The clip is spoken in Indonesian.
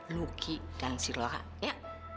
lucky dan si lora ya